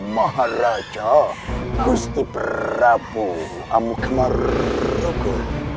maharaja gusti prabowo amukamaruku